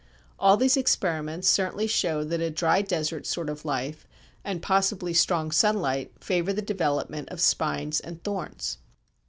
All these experiments certainly show that a dry desert sort of life, and possibly strong sunlight, favour the development of spines and thorns.